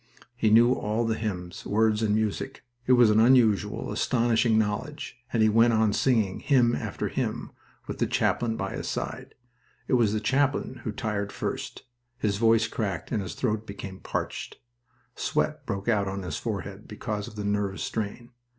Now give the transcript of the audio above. He knew all the hymns, words and music. It was an unusual, astonishing knowledge, and he went on singing, hymn after hymn, with the chaplain by his side. It was the chaplain who tired first. His voice cracked and his throat became parched. Sweat broke out on his forehead, because of the nervous strain.